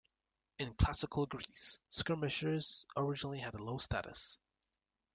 In classical Greece, skirmishers originally had low status.